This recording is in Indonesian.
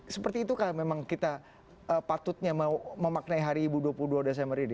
seperti itukah memang kita patutnya mau memaknai hari ibu dua puluh dua desember ini